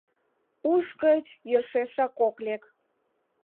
— Уш гыч йӧршешак ок лек.